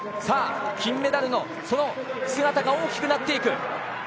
さあ、金メダルのその姿が大きくなっていく。